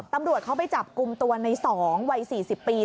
ตำรวจเขาไปจับกลุ่มตัวใน๒วัย๔๐ปี